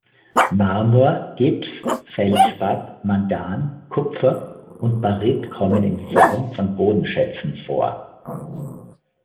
Marmor, Gips, Feldspat, Mangan, Kupfer und Baryt kommen in Form von Bodenschätzen vor.